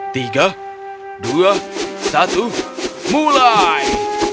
tiga dua satu mulai